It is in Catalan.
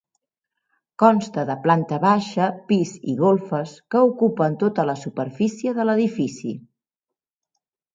Consta de planta baixa, pis i golfes que ocupen tota la superfície de l'edifici.